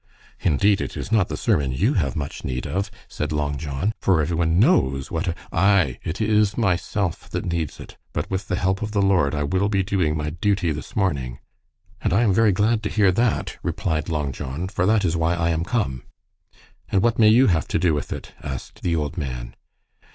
"Indeed, it is not the sermon you have much need of," said Long John, "for every one knows what a " "Ay, it is myself that needs it, but with the help of the Lord I will be doing my duty this morning." "And I am very glad to hear that," replied Long John, "for that is why I am come." "And what may you have to do with it?" asked the old man.